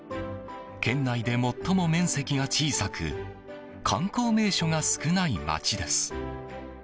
県内で最も面積が小さく観光名所が少ない町です。